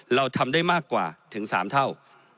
เราทำได้มากกว่าถึง๓เท่า